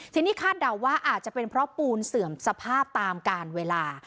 ทีนี้คาดเดาว่าอาจจะเป็นเพราะปูนเสื่อมสภาพตามการเวลา